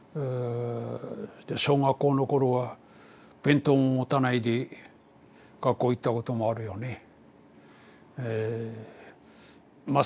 で小学校のころは弁当も持たないで学校行ったこともあるよね。